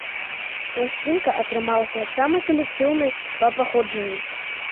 Пласцінка атрымалася самай калектыўнай па паходжанні.